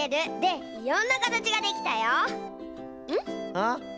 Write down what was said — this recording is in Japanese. うん？